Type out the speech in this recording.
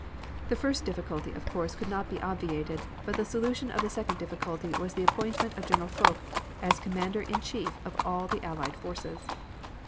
The first difficulty of course could not be obviated, but the solution of the second difficulty was the appointment of General Foch as Commander in Chief of all the Allied forces.